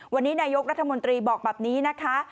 วันนี้นายกรัฐมนตรีบอกแบบนี้นะคะ